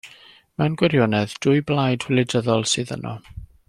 Mewn gwirionedd, dwy blaid wleidyddol sydd yno.